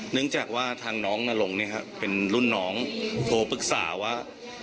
นึกจากว่าทางน้องนรงเนี่ยค่ะเป็นรุ่นน้องโทรปรึกษาว่า